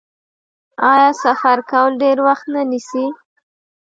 آیا سفر کول ډیر وخت نه نیسي؟